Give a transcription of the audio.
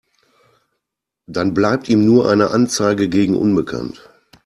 Dann bleibt ihm nur eine Anzeige gegen unbekannt.